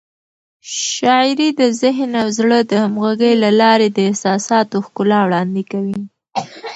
شاعري د ذهن او زړه د همغږۍ له لارې د احساساتو ښکلا وړاندې کوي.